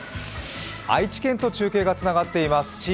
愛知県と中継がつながっています。